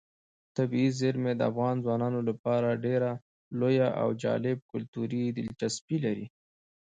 طبیعي زیرمې د افغان ځوانانو لپاره ډېره لویه او جالب کلتوري دلچسپي لري.